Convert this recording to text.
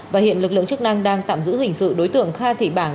và hiện lực lượng chức năng đang tạm giữ hình sự đối tượng kha thị bảng